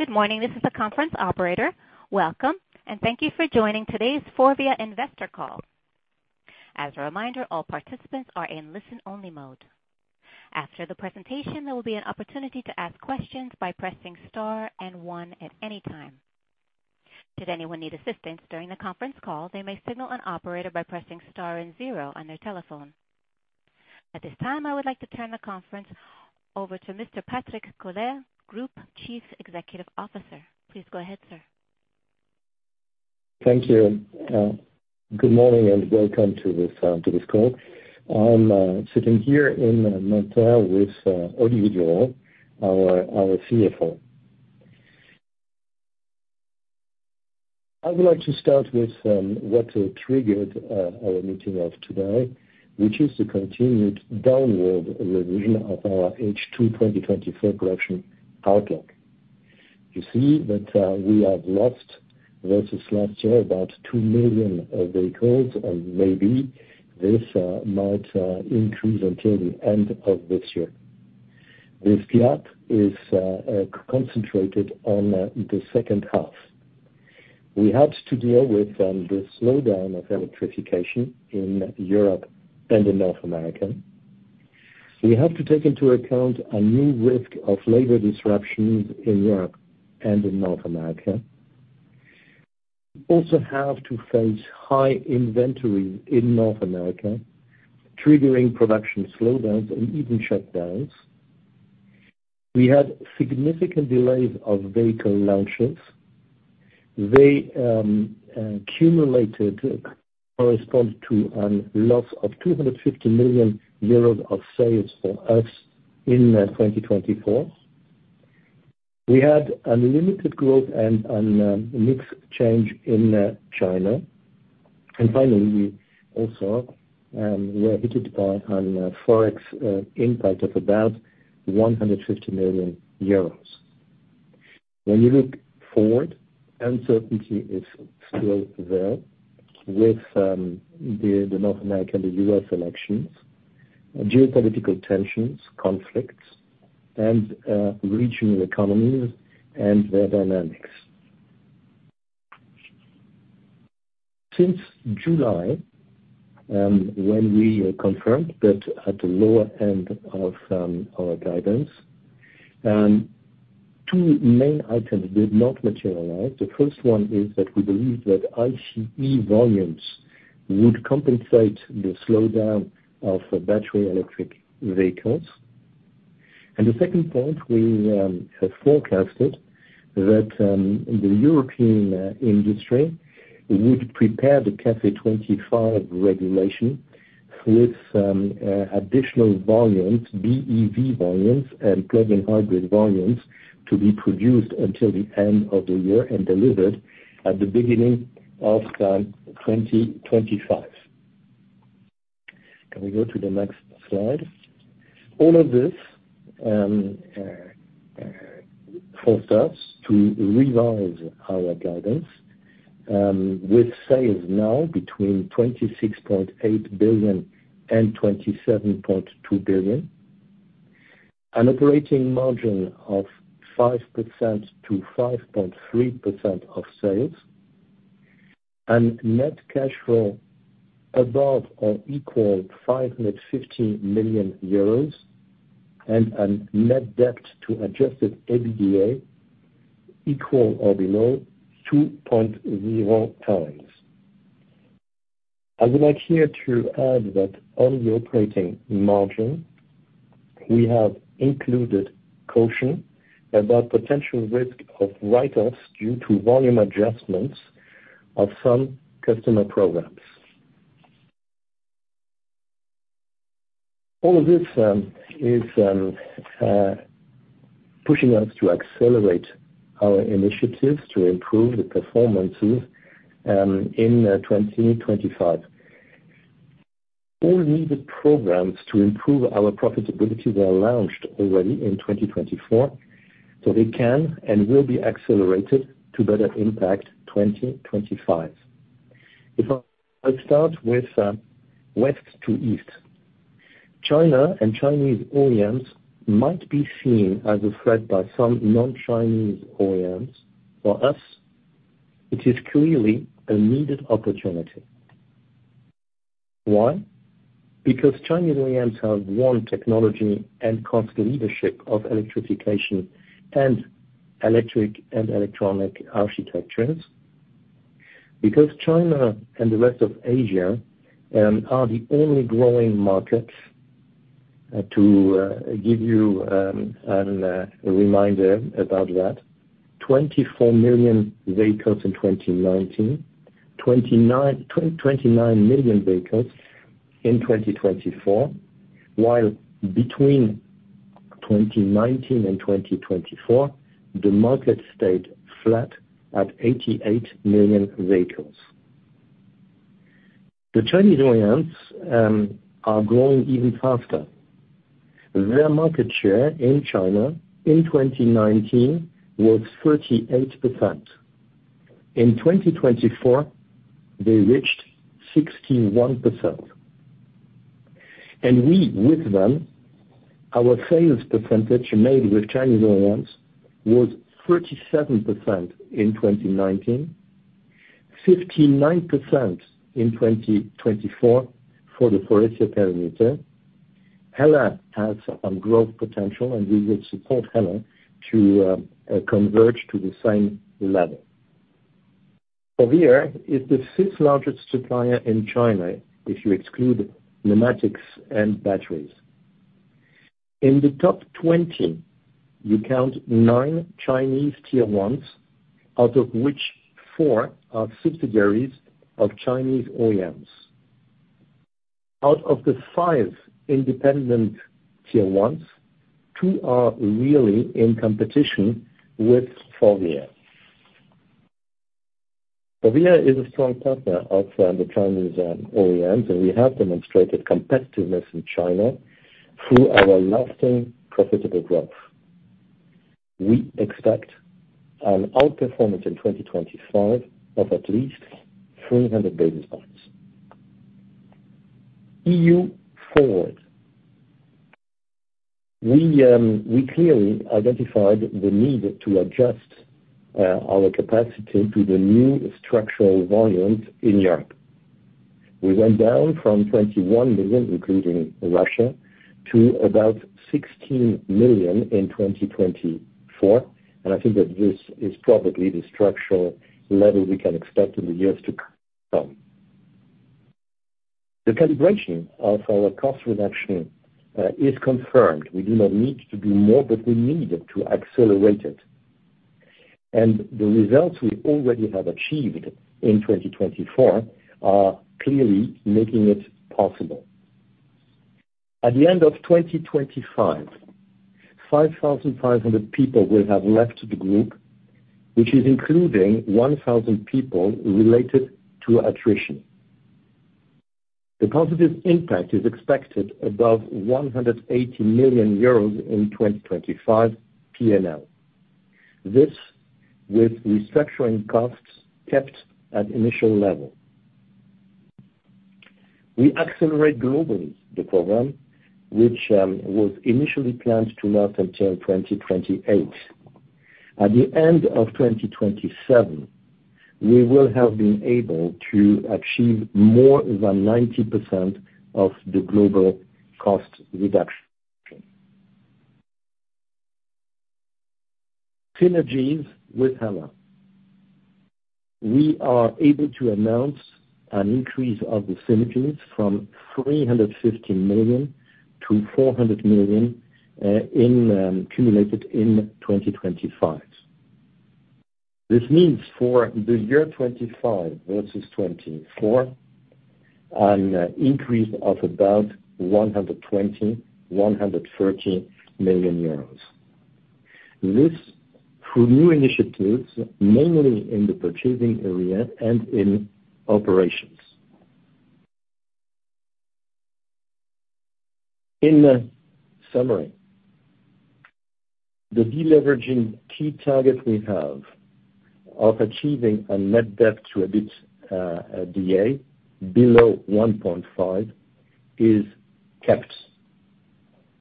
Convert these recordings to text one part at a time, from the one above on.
Good morning, this is the conference operator. Welcome, and thank you for joining today's Forvia Investor Call. As a reminder, all participants are in listen-only mode. After the presentation, there will be an opportunity to ask questions by pressing star and one at any time. Should anyone need assistance during the conference call, they may signal an operator by pressing star and zero on their telephone. At this time, I would like to turn the conference over to Mr. Patrick Koller, Group Chief Executive Officer. Please go ahead, sir. Thank you. Good morning, and welcome to this call. I'm sitting here in Montreal with Olivier Durand, our CFO. I would like to start with what triggered our meeting of today, which is the continued downward revision of our H2 2024 production outlook. You see that we have lost versus last year, about two million vehicles, and maybe this might increase until the end of this year. This gap is concentrated on the second half. We have to deal with the slowdown of electrification in Europe and in North America. We have to take into account a new risk of labor disruptions in Europe and in North America. Also have to face high inventory in North America, triggering production slowdowns and even shutdowns. We had significant delays of vehicle launches. They cumulatively correspond to a loss of 250 million euros of sales for us in 2024. We had unlimited growth and mixed change in China. And finally, we also were affected by a Forex impact of about 150 million euros. When you look forward, uncertainty is still there with the North American and the U.S. elections, geopolitical tensions, conflicts, and regional economies and their dynamics. Since July, when we confirmed that at the lower end of our guidance, two main items did not materialize. The first one is that we believe that ICE volumes would compensate the slowdown of battery electric vehicles. And the second point, we have forecasted that the European industry would prepare the CAFE 2025 regulation with additional volumes, BEV volumes, and plug-in hybrid volumes to be produced until the end of the year and delivered at the beginning of 2025. Can we go to the next slide? All of this forced us to revise our guidance with sales now between 26.8 billion–27.2 billion, an operating margin of 5% to 5.3% of sales, and net cash flow above or equal 550 million euros, and a net debt to adjusted EBITDA equal or below 2.0 times. I would like here to add that on the operating margin, we have included caution about potential risk of write-offs due to volume adjustments of some customer programs. All of this is pushing us to accelerate our initiatives to improve the performances in 2025. All needed programs to improve our profitability were launched already in 2024, so they can and will be accelerated to better impact 2025. Let's start with west to east. China and Chinese OEMs might be seen as a threat by some non-Chinese OEMs. For us, it is clearly a needed opportunity. Why? Because Chinese OEMs have won technology and cost leadership of electrification and electric and electronic architectures. Because China and the rest of Asia are the only growing markets to give you a reminder about that, 24 million vehicles in 2019, 29 million vehicles in 2024, while between 2019 and 2024, the market stayed flat at 88 million vehicles. The Chinese OEMs are growing even faster. Their market share in China in 2019 was 38%. In 2024, they reached 61%... And we, with them, our sales percentage made with Chinese OEMs was 37% in 2019, 59% in 2024 for the Faurecia perimeter. Hella has some growth potential, and we will support Hella to converge to the same level. Forvia is the sixth largest supplier in China, if you exclude pneumatics and batteries. In the top 20, you count nine Chinese Tier 1s, out of which four are subsidiaries of Chinese OEMs. Out of the five independent Tier 1s, two are really in competition with Forvia. Forvia is a strong partner of the Chinese OEMs, and we have demonstrated competitiveness in China through our lasting profitable growth. We expect an outperformance in 2025 of at least 300 basis points. EU-Forward. We clearly identified the need to adjust our capacity to the new structural volumes in Europe. We went down from 21 million, including Russia, to about 16 million in 2024, and I think that this is probably the structural level we can expect in the years to come. The calibration of our cost reduction is confirmed. We do not need to do more, but we need to accelerate it, and the results we already have achieved in 2024 are clearly making it possible. At the end of 2025, 5,500 people will have left the group, which is including 1,000 people related to attrition. The positive impact is expected above 180 million euros in 2025 PNL. This, with restructuring costs kept at initial level. We accelerate globally the program, which was initially planned to last until 2028. At the end of 2027, we will have been able to achieve more than 90% of the global cost reduction. Synergies with Hella. We are able to announce an increase of the synergies from 350 million to 400 million in accumulated in 2025. This means for the year 2025 versus 2024, an increase of about 120 million-130 million euros. This, through new initiatives, mainly in the purchasing area and in operations. In summary, the deleveraging key target we have of achieving a net debt to EBITDA below 1.5 is kept,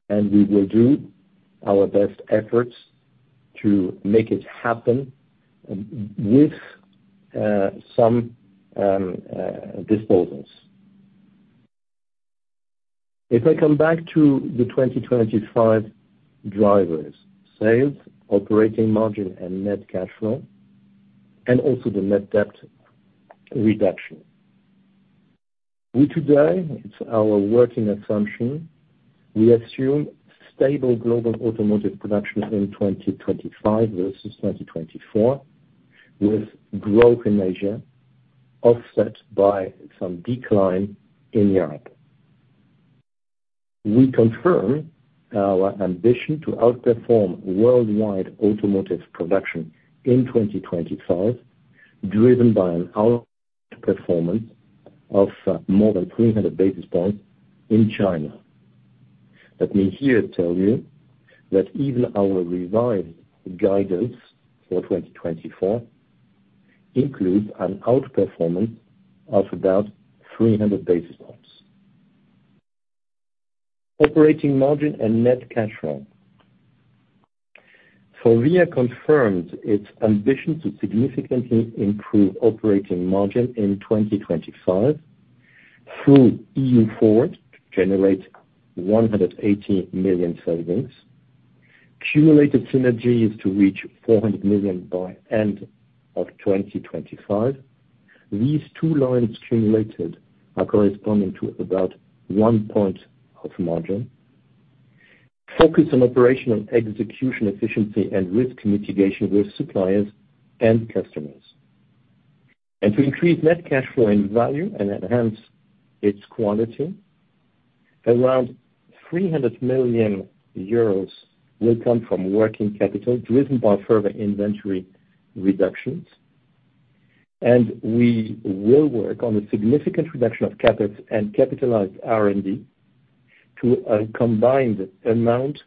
and we will do our best efforts to make it happen with some disposals. If I come back to the 2025 drivers: sales, operating margin, and net cash flow, and also the net debt reduction. We today, it's our working assumption, we assume stable global automotive production in 2025 versus 2024, with growth in Asia offset by some decline in Europe. We confirm our ambition to outperform worldwide automotive production in 2025, driven by an outperformance of more than three hundred basis points in China. Let me here tell you that even our revised guidance for 2024 includes an outperformance of about three hundred basis points. Operating margin and net cash flow. Forvia confirms its ambition to significantly improve operating margin in 2025 through EU Forward, to generate 180 million savings, accumulated synergies to reach 400 million by end of 2025. These two lines accumulated are corresponding to about one point of margin. Focus on operational execution efficiency and risk mitigation with suppliers and customers. To increase net cash flow in value and enhance its quantity, around 300 million euros will come from working capital, driven by further inventory reductions. We will work on a significant reduction of CapEx and capitalized R&D to a combined amount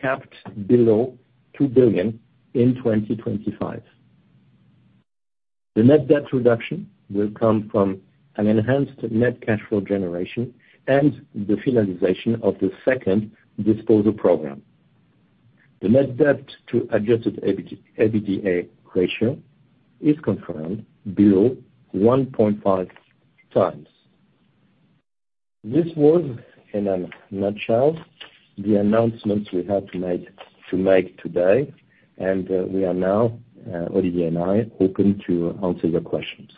capped below 2 billion in 2025. The net debt reduction will come from an enhanced net cash flow generation and the finalization of the second disposal program. The net debt to adjusted EBITDA ratio is confirmed below 1.5 times. This was, in a nutshell, the announcements we had to make today, and we are now, Olivier and I, open to answer your questions.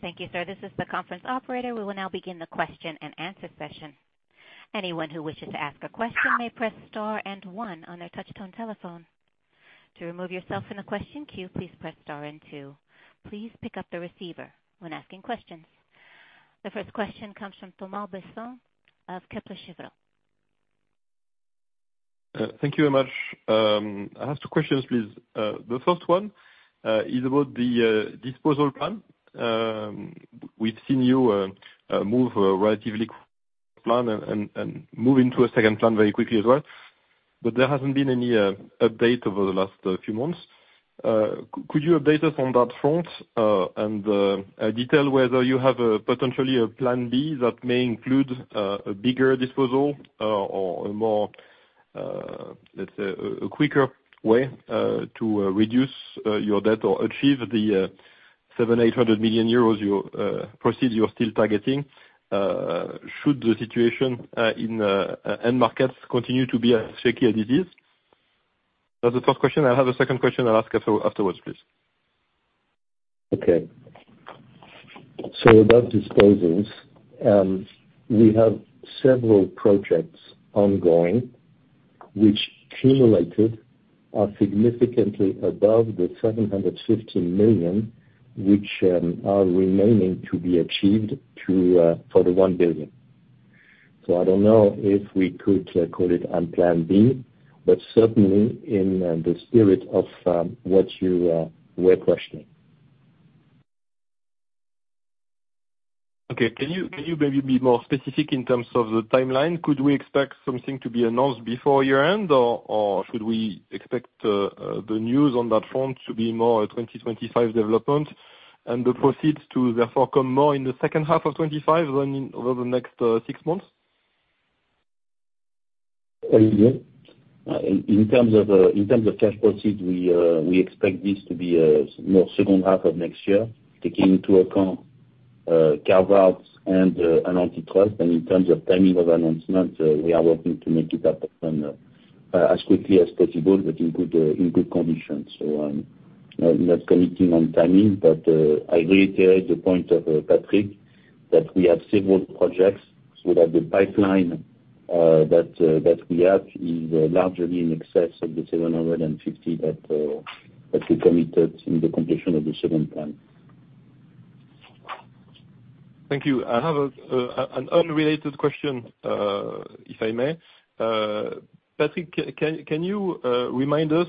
Thank you, sir. This is the conference operator. We will now begin the question and answer session. Anyone who wishes to ask a question may press star and one on their touchtone telephone. To remove yourself from the question queue, please press star and two. Please pick up the receiver when asking questions. The first question comes from Thomas Besson of Kepler Cheuvreux. Thank you very much. I have two questions, please. The first one is about the disposal plan. We've seen you move relatively fast and move into a second plan very quickly as well, but there hasn't been any update over the last few months. Could you update us on that front, and detail whether you have potentially a plan B that may include a bigger disposal or a more, let's say, a quicker way to reduce your debt or achieve the 700 million-800 million euros proceeds you're still targeting, should the situation in end markets continue to be as shaky as it is? That's the first question. I have a second question I'll ask afterwards, please. Okay. So about disposals, we have several projects ongoing which cumulative are significantly above the 750 million, which are remaining to be achieved for the 1 billion. So I don't know if we could call it a plan B, but certainly in the spirit of what you were questioning. Okay. Can you, can you maybe be more specific in terms of the timeline? Could we expect something to be announced before year-end, or, or should we expect, the news on that front to be more a 2025 development, and the proceeds to therefore come more in the second half of 2025 than in over the next, six months? Yeah. In terms of cash proceeds, we expect this to be more second half of next year, taking into account carve-outs and antitrust. And in terms of timing of announcement, we are working to make it happen as quickly as possible, but in good conditions. So, I'm not committing on timing, but I reiterate the point of Patrick that we have several projects. So that the pipeline that we have is largely in excess of the 750 million that we committed in the completion of the second plan. Thank you. I have an unrelated question, if I may. Patrick, can you remind us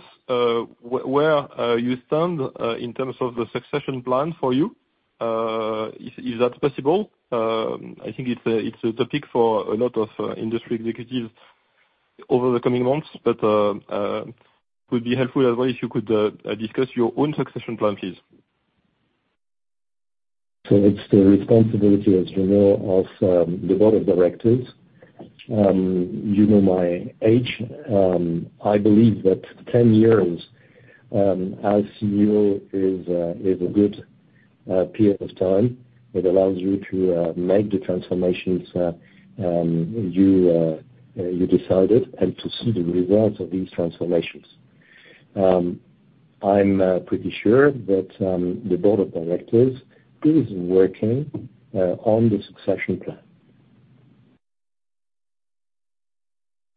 where you stand in terms of the succession plan for you? Is that possible? I think it's a topic for a lot of industry executives over the coming months, but would be helpful as well if you could discuss your own succession plan, please. So it's the responsibility, as you know, of the board of directors. You know my age. I believe that 10 years as CEO is a good period of time. It allows you to make the transformations you decided, and to see the results of these transformations. I'm pretty sure that the board of directors is working on the succession plan.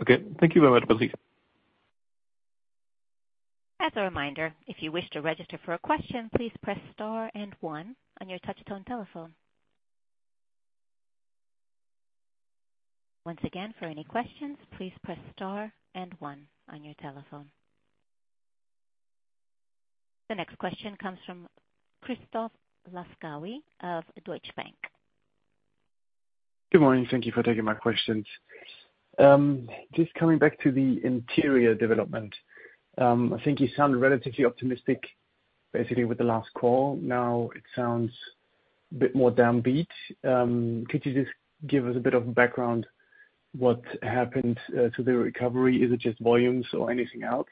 Okay. Thank you very much, Patrick. As a reminder, if you wish to register for a question, please press star and one on your touchtone telephone. Once again, for any questions, please press star and one on your telephone. The next question comes from Christoph Laskawi of Deutsche Bank. Good morning. Thank you for taking my questions. Just coming back to the interior development. I think you sounded relatively optimistic, basically, with the last call. Now it sounds a bit more downbeat. Could you just give us a bit of background what happened to the recovery? Is it just volumes or anything else?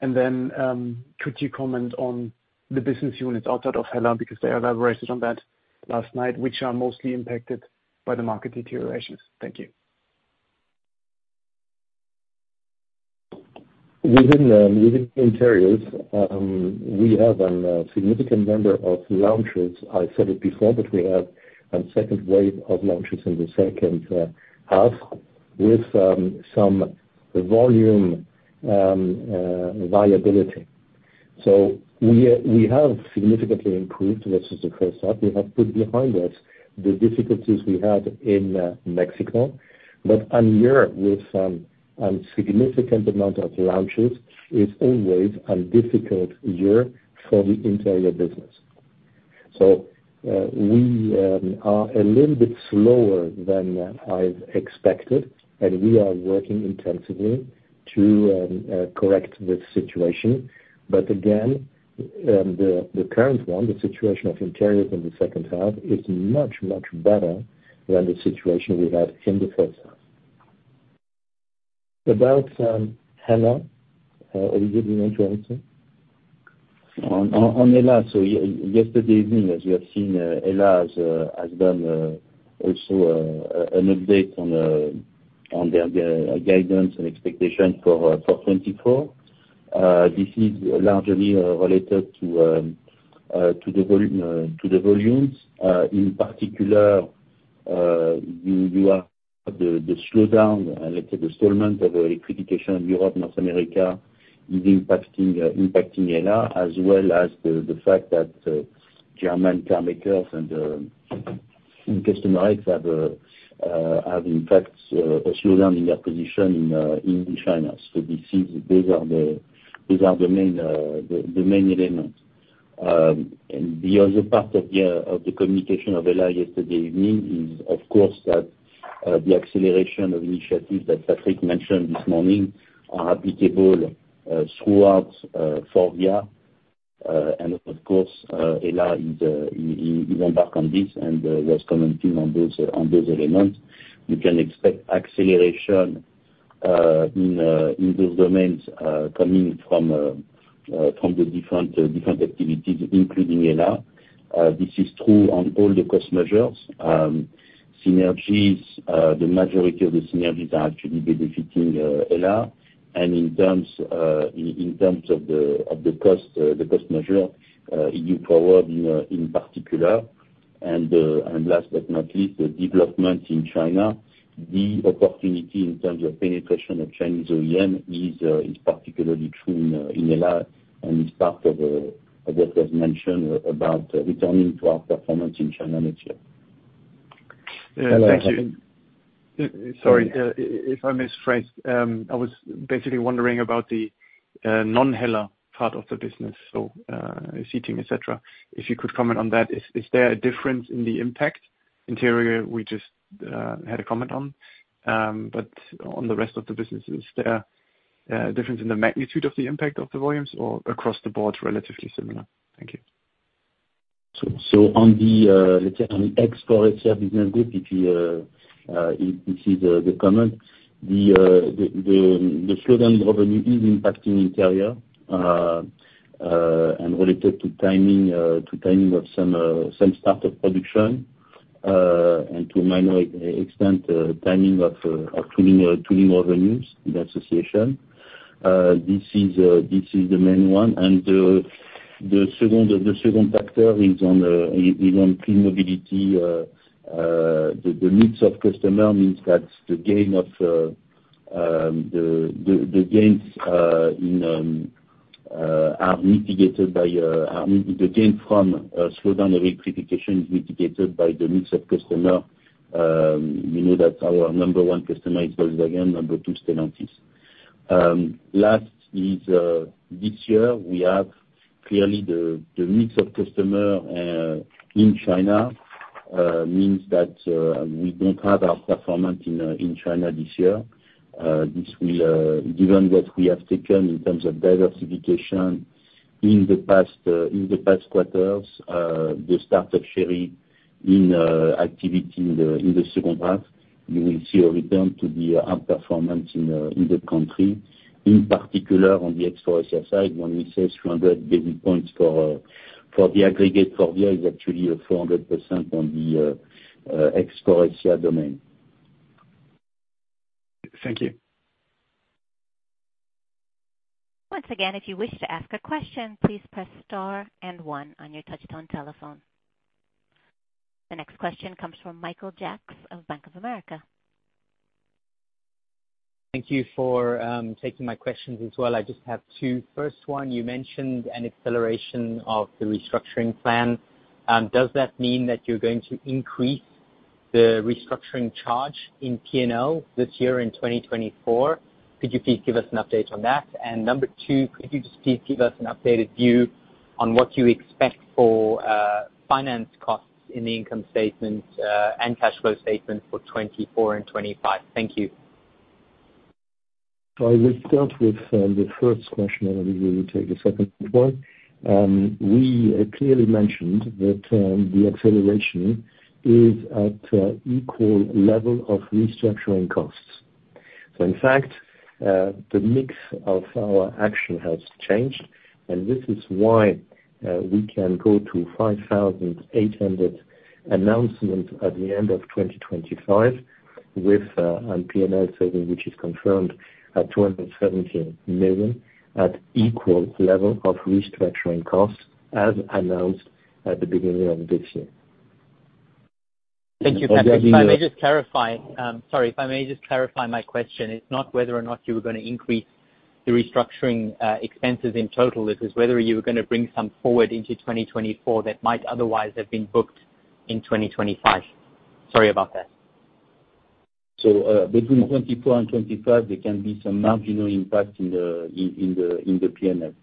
And then, could you comment on the business units outside of Hella, because they elaborated on that last night, which are mostly impacted by the market deteriorations. Thank you. Within, within Interiors, we have a significant number of launches. I said it before, but we have a second wave of launches in the second half with some volume viability. So we have significantly improved versus the first half. We have put behind us the difficulties we had in Mexico, but a year with a significant amount of launches is always a difficult year for the Interiors business.... So, we are a little bit slower than I expected, and we are working intensively to correct this situation. But again, the current one, the situation of Interiors in the second half is much, much better than the situation we had in the first half. About Hella, Olivier, do you want to answer? On Hella, so yesterday evening, as you have seen, Hella has done also an update on their guidance and expectation for 2024. This is largely related to the volumes. In particular, you have the slowdown and the implementation of electrification in Europe, North America is impacting Hella, as well as the fact that German car makers and customer have in fact a slowdown in their position in China. So these are the main elements. The other part of the communication of Hella yesterday evening is, of course, that the acceleration of initiatives that Patrick mentioned this morning are applicable throughout Forvia. Of course, Hella is. He went back on this and was commenting on those elements. We can expect acceleration in those domains coming from the different activities, including Hella. This is true on all the cost measures. Synergies, the majority of the synergies are actually benefiting Hella. In terms of the cost, the cost measure, EU-Forward in particular. Last but not least, the development in China, the opportunity in terms of penetration of Chinese OEM is particularly true in Hella, and is part of what was mentioned about returning to our performance in China next year. Thank you. Hello, hello? Sorry, if I misphrased. I was basically wondering about the non-Hella part of the business, so Seating, et cetera. If you could comment on that. Is there a difference in the impact? Interiors, we just had a comment on, but on the rest of the businesses, is there a difference in the magnitude of the impact of the volumes, or across the board, relatively similar? Thank you. So on the Electronics business group, if this is the comment, the slowdown in revenue is impacting Interiors, and related to timing of some start of production, and to a minor extent, timing of tooling revenues in association. This is the main one, and the second factor is on Clean Mobility. The needs of customer means that the gain from slowdown electrification is mitigated by the mix of customer. We know that our number one customer is Volkswagen, number two, Stellantis. Lastly, this year we have clearly the mix of customers in China means that we don't have our outperformance in China this year. This will, given what we have taken in terms of diversification in the past quarters, the start of the upturn in activity in the second half. You will see a return to the outperformance in the country. In particular, on the exteriors side, when we say 300 basis points for the aggregate, Forvia is actually 400 basis points on the domain. Thank you. Once again, if you wish to ask a question, please press star and one on your touch-tone telephone. The next question comes from Michael Jacks of Bank of America. Thank you for taking my questions as well. I just have two. First one, you mentioned an acceleration of the restructuring plan. Does that mean that you're going to increase the restructuring charge in P&L this year in 2024? Could you please give us an update on that? And number two, could you just please give us an updated view on what you expect for finance costs in the income statement and cash flow statement for 2024 and 2025? Thank you. I will start with the first question, and then we will take the second one. We clearly mentioned that the acceleration is at equal level of restructuring costs. In fact, the mix of our action has changed, and this is why we can go to 5,800 announcement at the end of 2025, with on P&L saving, which is confirmed at 217 million, at equal level of restructuring costs, as announced at the beginning of this year. Thank you, Patrick. If I may just clarify my question. It's not whether or not you were going to increase the restructuring expenses in total. It is whether you were going to bring some forward into 2024 that might otherwise have been booked in 2025. Sorry about that. ... So, between 2024 and 2025, there can be some marginal impact in the PNL.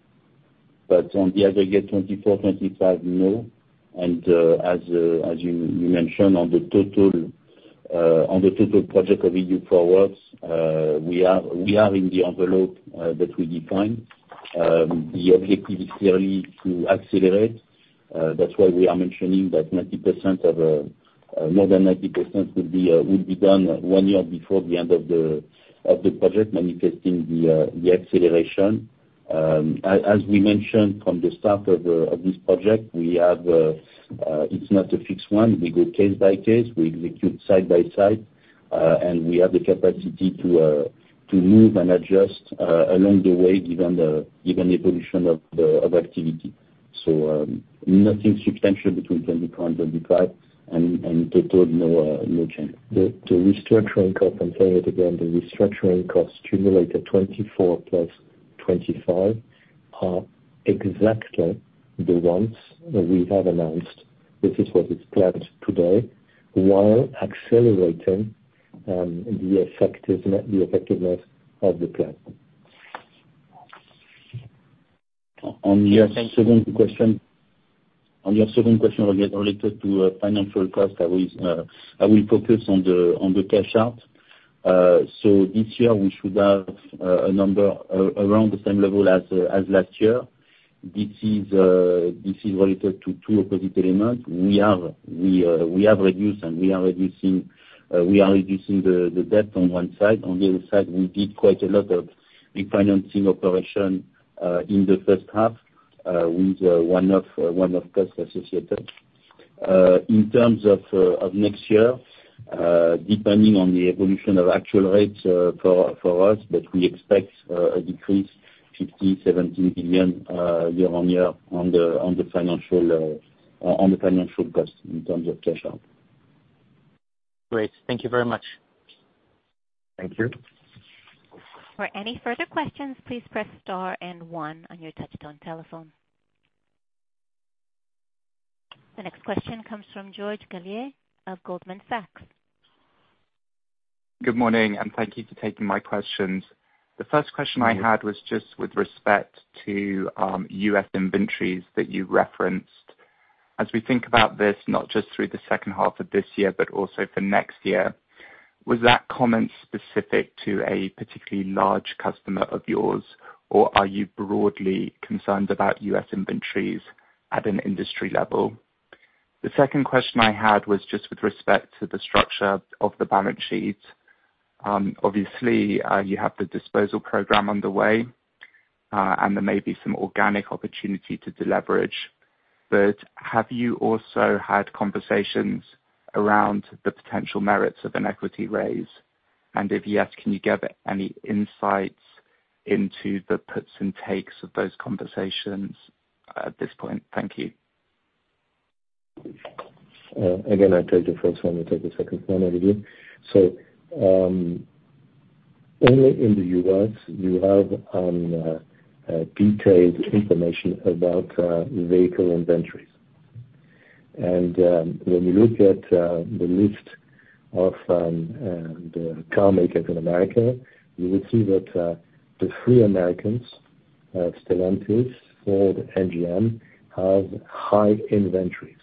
But on the aggregate, 2024, 2025, no. And, as you mentioned, on the total project of EU-Forward, we are in the envelope that we defined. The objective is clearly to accelerate, that's why we are mentioning that more than 90% will be done one year before the end of the project, manifesting the acceleration. As we mentioned from the start of this project, we have, it's not a fixed one. We go case by case, we execute side by side, and we have the capacity to move and adjust along the way given the evolution of activity. So, nothing substantial between 2024 and 2025, and total, no change. The restructuring cost, I'm saying it again, the restructuring costs accumulated 2024 plus 2025, are exactly the ones that we have announced. This is what is planned today, while accelerating the effectiveness of the plan. On your second question related to financial cost, I will focus on the cash out so this year we should have a number around the same level as last year. This is related to two opposite elements. We have reduced and we are reducing the debt on one side. On the other side, we did quite a lot of refinancing operation in the first half with one-off cost associated. In terms of next year, depending on the evolution of actual rates, for us, but we expect a decrease 50 million-70 million year-on-year on the financial cost in terms of cash out. Great, thank you very much. Thank you. For any further questions, please press star and one on your touchtone telephone. The next question comes from George Galliers of Goldman Sachs. Good morning, and thank you for taking my questions. The first question I had was just with respect to U.S. inventories that you referenced. As we think about this, not just through the second half of this year, but also for next year, was that comment specific to a particularly large customer of yours, or are you broadly concerned about U.S. inventories at an industry level? The second question I had was just with respect to the structure of the balance sheet. Obviously, you have the disposal program underway, and there may be some organic opportunity to deleverage, but have you also had conversations around the potential merits of an equity raise? And if yes, can you give any insights into the puts and takes of those conversations at this point? Thank you. Again, I'll take the first one, I'll take the second one, okay? So only in the US you have detailed information about vehicle inventories. And when you look at the list of the car makers in America, you will see that the three Americans, Stellantis, Ford, GM, have high inventories.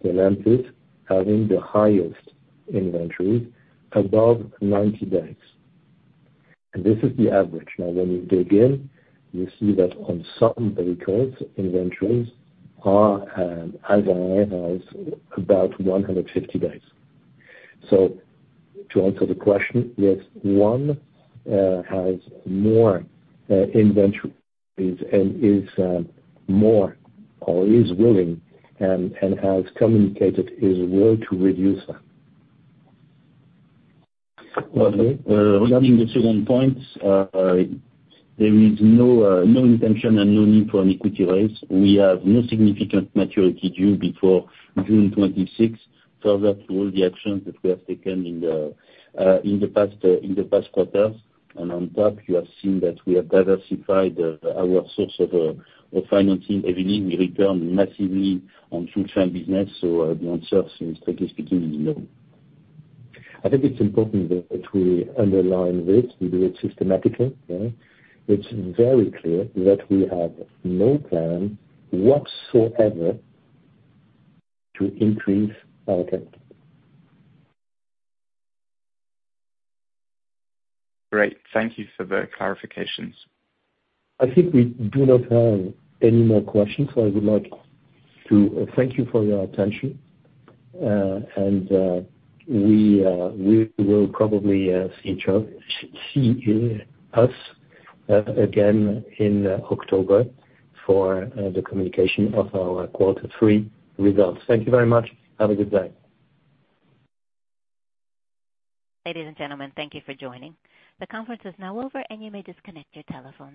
Stellantis having the highest inventories, above 90 days. And this is the average. Now, when you dig in, you see that on certain vehicles, inventories are as high as about 150 days. So to answer the question, yes, one has more inventory, is more or is willing, and has communicated his will to reduce that. Regarding the second point, there is no intention and no need for an equity raise. We have no significant maturity due before June 2026, further to all the actions that we have taken in the past quarters. And on top, you have seen that we have diversified our source of financing. Indeed, we return massively on Schuldschein business, so the answer, strictly speaking, is no. I think it's important that we underline this, we do it systematically, yeah? It's very clear that we have no plan whatsoever to increase our debt. Great, thank you for the clarifications. I think we do not have any more questions, so I would like to thank you for your attention, and we will probably see each other, see us again in October for the communication of our quarter three results. Thank you very much. Have a good day. Ladies and gentlemen, thank you for joining. The conference is now over, and you may disconnect your telephones.